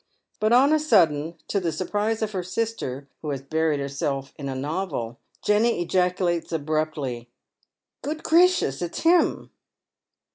But on a sudden, to the surprise of her eister, who has buried herself in a novel, Jenny ejaculates abraptly, —" Good gracious I It's him."